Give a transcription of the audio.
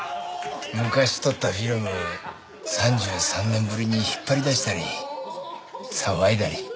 昔撮ったフィルム３３年ぶりに引っ張り出したり騒いだり。